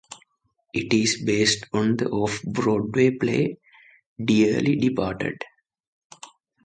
It is based on the Off-Broadway play "Dearly Departed".